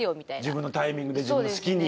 自分のタイミングで自分の好きに。